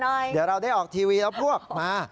เดี๋ยวเราได้ออกทีวีแล้วพวกมา